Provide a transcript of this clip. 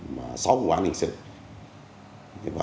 và xác minh làm rõ trước khi chuyển cơ quan cấp xã